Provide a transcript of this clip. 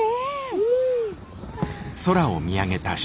うん。